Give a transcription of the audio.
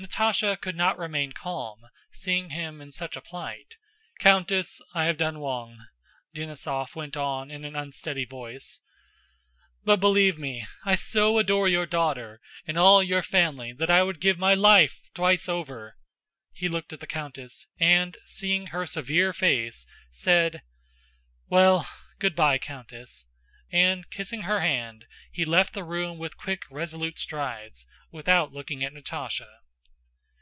Natásha could not remain calm, seeing him in such a plight. She began to sob aloud. "Countess, I have done w'ong," Denísov went on in an unsteady voice, "but believe me, I so adore your daughter and all your family that I would give my life twice over..." He looked at the countess, and seeing her severe face said: "Well, good by, Countess," and kissing her hand, he left the room with quick resolute strides, without looking at Natásha.